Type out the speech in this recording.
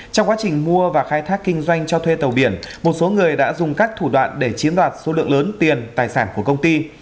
trong quá trình mua và khai thác kinh doanh cho thuê tàu biển một số người đã dùng các thủ đoạn để chiếm đoạt số lượng lớn tiền tài sản của công ty